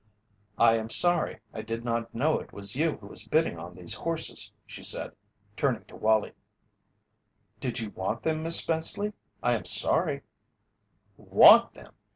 "I am sorry I did not know it was you who was bidding on these horses," she said, turning to Wallie. "Did you want them, Miss Spenceley? I am sorry " "Want them?